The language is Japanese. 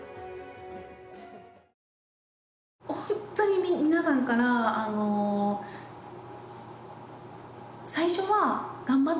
本当に皆さんから最初は「頑張ってね」だったんです。